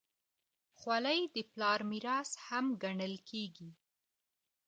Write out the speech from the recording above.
خولۍ د پلار میراث هم ګڼل کېږي.